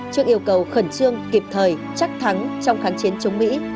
trước yêu cầu khẩn trương kịp thời chắc thắng trong kháng chiến chống mỹ